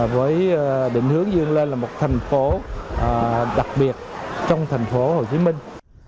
với định hướng dương lên là một thành phố đặc biệt trong thành phố hồ chí minh